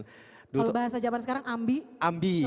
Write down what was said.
kalau bahasa jaman sekarang ambi